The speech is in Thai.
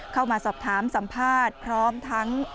เข้ามาสอบถามสัมภาษณ์พร้อมทั้ง